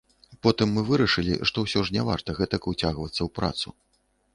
Потым мы вырашылі, што ўсё ж не варта гэтак уцягвацца ў працу.